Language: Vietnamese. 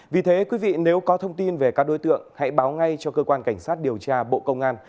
vì thế quý vị nếu có thông tin về các đối tượng hãy báo ngay cho cơ quan cảnh sát điều tra bộ công an